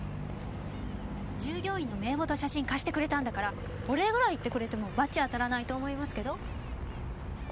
従業員の名簿と写真貸してくれたんだからお礼ぐらい言ってくれてもバチ当たらないと思いますけど。